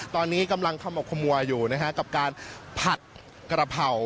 ตอนนี้กำลังขมกขมัวอยู่นะฮะกับการผัดกระเพรา